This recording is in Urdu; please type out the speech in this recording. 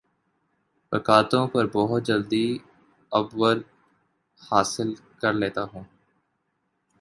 رکاوٹوں پر بہت جلدی عبور حاصل کر لیتا ہوں